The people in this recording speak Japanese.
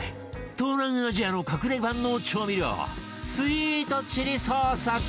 東南アジアの隠れ万能調味料スイートチリソース